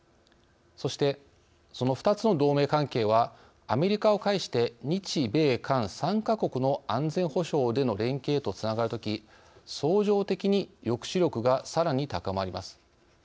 そして、その２つの同盟関係はアメリカを介して日米韓３か国の安全保障での連携へとつながるとき相乗的に、抑止力がさらに高まります。